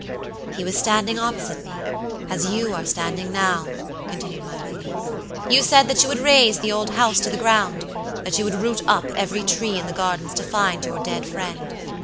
"He was standing opposite me, as you are standing now," continued my lady. "You said that you would raze the old house to the ground; that you would root up every tree in the gardens to find your dead friend.